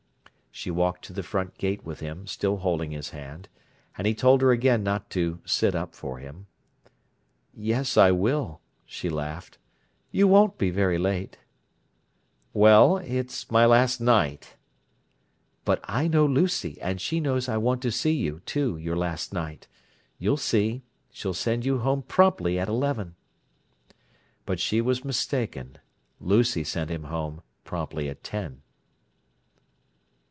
She walked to the front gate with him, still holding his hand, and he told her again not to "sit up" for him. "Yes, I will," she laughed. "You won't be very late." "Well—it's my last night." "But I know Lucy, and she knows I want to see you, too, your last night. You'll see: she'll send you home promptly at eleven!" But she was mistaken: Lucy sent him home promptly at ten.